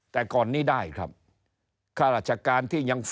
ไปเป็นที่ปรึกษาธุรกิจภาคเอกชน